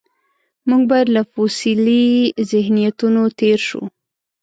موږ باید له فوسیلي ذهنیتونو تېر شو.